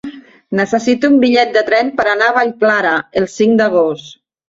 Necessito un bitllet de tren per anar a Vallclara el cinc d'agost.